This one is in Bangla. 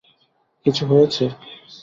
কিছু হয়েছে?